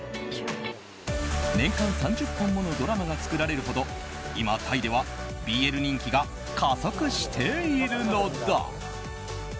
年間３０本ものドラマが作られるほど今、タイではＢＬ人気が加速しているのだ。